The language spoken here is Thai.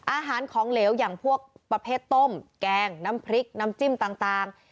อาหารของเหลวอย่างพวกประเภทต้มแกงน้ำพริกน้ำจิ้มต่าง